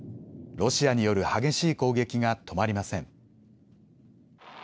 ロシアによる激しい攻撃が止まりません。